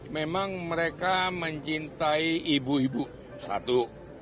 memang mereka mencintai ibu ibu satu